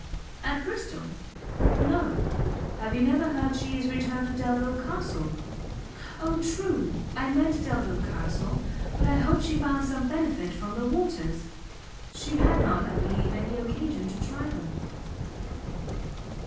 "At Bristol? no; have you never heard she is returned to Delvile Castle?" "O, true! I meant Delvile Castle, but I hope she found some benefit from the waters?" "She had not, I believe, any occasion to try them."